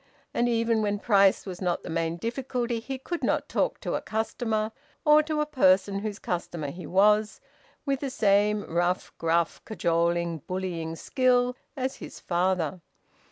And even when price was not the main difficulty, he could not talk to a customer, or to a person whose customer he was, with the same rough, gruff, cajoling, bullying skill as his father.